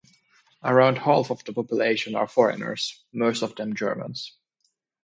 Around half of the population are foreigners, most of them Germans.